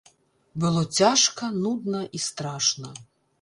Было цяжка, нудна і страшна.